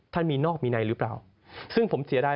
มีนอกมีในหรือเปล่าซึ่งผมเสียดาย